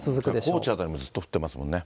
高知辺りもずっと降ってますもんね。